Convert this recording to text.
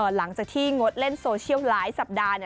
หลังจากที่งดเล่นโซเชียลหลายสัปดาห์